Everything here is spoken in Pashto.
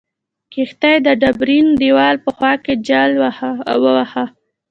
کښتۍ د ډبرین دیوال په خوا کې جل واهه.